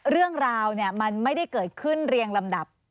เรื่องราวมันไม่ได้เกิดขึ้นเรียงลำดับ